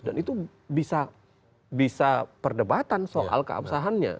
dan itu bisa perdebatan soal keabsahannya